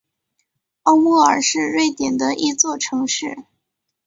奥莫尔是瑞典的一座城市。